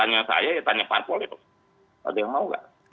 ada yang mau gak